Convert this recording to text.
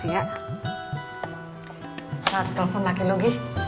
ya udah deh